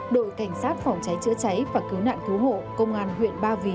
đội cảnh sát phòng cháy chữa cháy và cứu nạn cứu hộ công an huyện ba vì